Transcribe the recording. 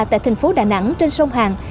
tại thành phố đà nẵng trên sông hàng